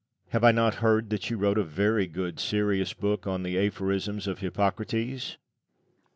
Lucian. Have I not heard that you wrote a very good serious book on the aphorisms of Hippocrates?